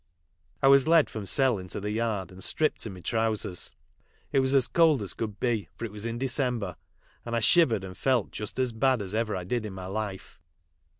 " I was led from cell into the yard and stripped to mv trousers. It was as cold as could be, for it was in December, and I shivered and frit just as bad as ever I did in my life.